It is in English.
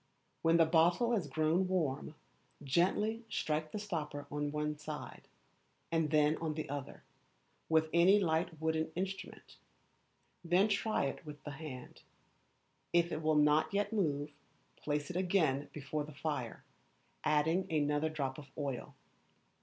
When the bottle has grown warm, gently strike the stopper on one side, and then on the other, with any light wooden instrument; then try it with the hand: if it will not yet move, place it again before the fire, adding another drop of oil.